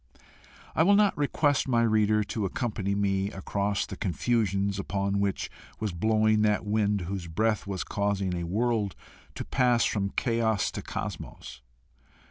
I will not request my reader to accompany me across the confusions upon which was blowing that wind whose breath was causing a world to pass from chaos to cosmos.